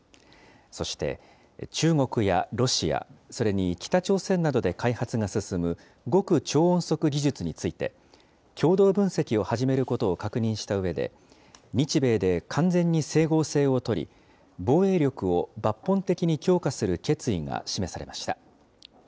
そして、中国やロシア、それに北朝鮮などで開発が進む極超音速技術について、共同分析を始めることを確認したうえで、日米で完全に整合性をとり、防衛力を抜本的に強化する決意が示されました。